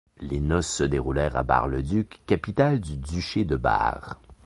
Les noces se déroulèrent à Bar-le-Duc, capitale du Duché de Bar.